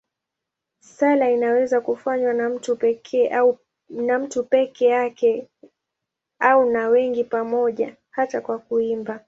Sala inaweza kufanywa na mtu peke yake au na wengi pamoja, hata kwa kuimba.